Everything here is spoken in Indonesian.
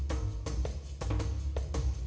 semoga hari ini berjalan baik